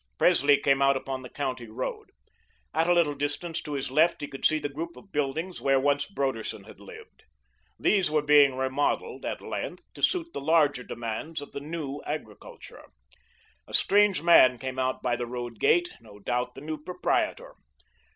Presley came out upon the County Road. At a little distance to his left he could see the group of buildings where once Broderson had lived. These were being remodelled, at length, to suit the larger demands of the New Agriculture. A strange man came out by the road gate; no doubt, the new proprietor.